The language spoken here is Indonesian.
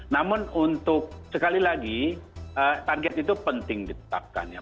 namun untuk sekali lagi target itu penting ditetapkan ya